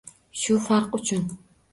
Shu farq uchun